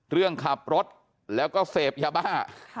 เรื่องขับรถแล้วก็เสพยาบ้า